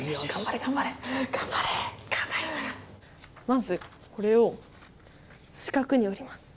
まずこれを四角に折ります！